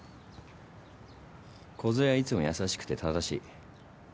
梢はいつも優しくて正しい。